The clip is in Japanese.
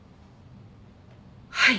はい。